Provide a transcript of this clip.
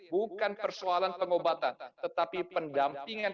bukan persoalan pengobatan tetapi pendampingan